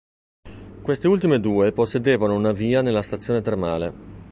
Queste ultime due possedevano una via nella stazione termale.